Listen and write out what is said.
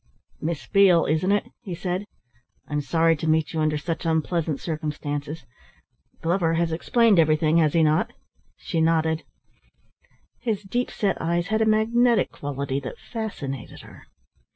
"Miss Beale, isn't it?" he said. "I'm sorry to meet you under such unpleasant circumstances. Glover has explained everything, has he not?" She nodded. His deep set eyes had a magnetic quality that fascinated her.